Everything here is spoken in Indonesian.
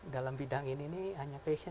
dalam bidang ini ini hanya passion